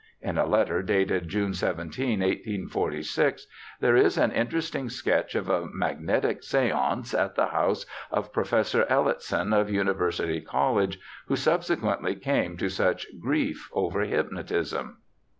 In a letter dated June 17, 1846, there is an interesting sketch of a magnetic seance at the house of Professor Elliotson, of University College, who sub sequently came to such grief over hypnotism.